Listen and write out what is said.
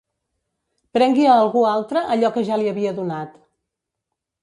Prengui a algú altre allò que ja li havia donat.